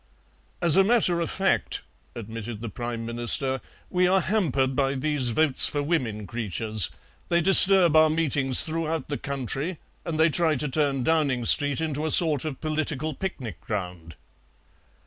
"As a matter of fact," admitted the Prime Minister, "we are hampered by these votes for women creatures; they disturb our meetings throughout the country, and they try to turn Downing Street into a sort of political picnic ground."